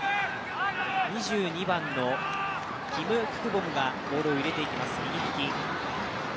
２２番のキム・ククボムがボールを入れていきます、右利き。